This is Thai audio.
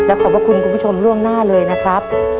ขอบพระคุณคุณผู้ชมล่วงหน้าเลยนะครับ